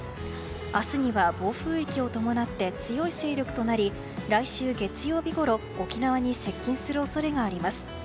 明日には暴風域を伴って強い勢力となり来週月曜日ごろ沖縄に接近する恐れがあります。